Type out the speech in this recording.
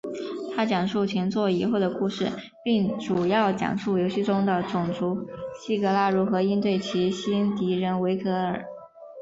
它讲述前作以后的故事并主要描述游戏中的种族希格拉如何应对其新敌人维格尔。